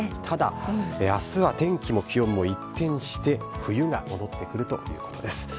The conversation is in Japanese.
ただ、あすは天気も気温も一転して、冬が戻ってくるということです。